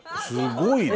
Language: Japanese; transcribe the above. すごい。